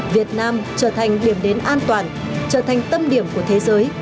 việt nam trở thành điểm đến an toàn trở thành tâm điểm của thế giới